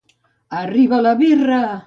Arriba la birra!